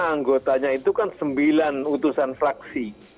karena anggotanya itu kan sembilan utusan fraksi